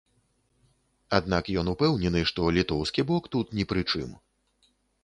Аднак ён упэўнены, што літоўскі бок тут ні пры чым.